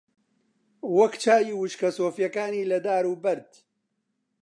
وەک چاوی وشکە سۆفییەکانی لە دار و بەرد